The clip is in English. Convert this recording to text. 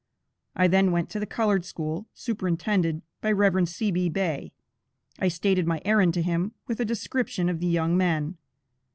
I then went to the colored school, superintended by Rev. C.B. Bay. I stated my errand to him, with a description of the young men.